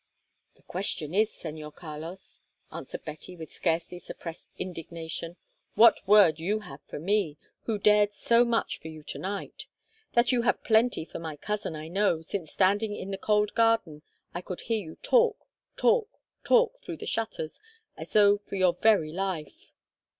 "The question is, Señor Carlos," answered Betty with scarcely suppressed indignation, "what word you have for me, who dared so much for you to night? That you have plenty for my cousin, I know, since standing in the cold garden I could hear you talk, talk, talk, through the shutters, as though for your very life."